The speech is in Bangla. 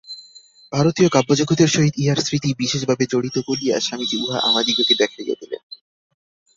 ভারতীয় কাব্যজগতের সহিত ইহার স্মৃতি বিশেষভাবে জড়িত বলিয়া স্বামীজী উহা আমাদিগকে দেখাইয়া দিলেন।